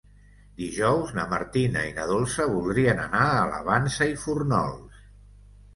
Dijous na Martina i na Dolça voldrien anar a la Vansa i Fórnols.